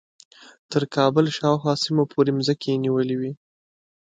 تر کابل شاوخوا سیمو پورې مځکې نیولې وې.